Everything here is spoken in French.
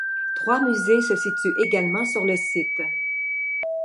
Trois musées se situent également sur le site.